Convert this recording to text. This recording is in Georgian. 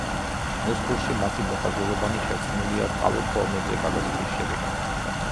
ნუსხურში მათი მოხაზულობანი შერწყმულია რკალურ ფორმებზე გადასვლის შედეგად.